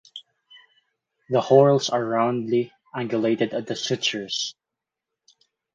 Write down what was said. The whorls are roundly angulated at the sutures.